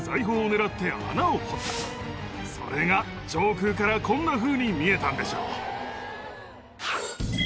それが上空からこんなふうに見えたんでしょう。